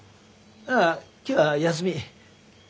ああ今日は休み。